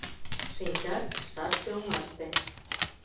Шинчашт — шашке оҥаште.